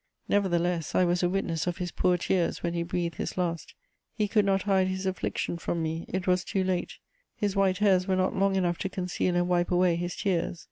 Nevertheless, I was a witness of his poor tears when he breathed his last; he could not hide his affliction from me; it was too late: his white hairs were not long enough to conceal and wipe away his tears.